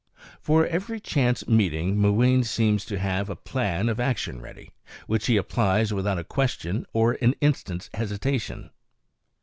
For every chance meeting Mooween seems to have a plan of action ready, which he applies without a question or an instant's hesitation.